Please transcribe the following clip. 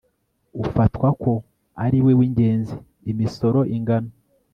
ufatwa ko ari we w ingenzi imisoro ingano